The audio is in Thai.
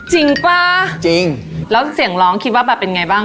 จริงป่ะจริงแล้วเสียงร้องคิดว่าแบบเป็นไงบ้าง